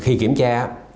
khi kiểm tra